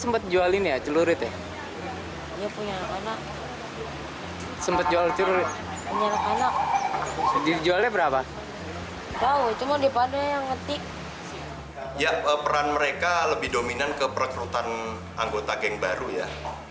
mau cuma peran mereka lebih dominan ke perekrutan anggota geng baru ya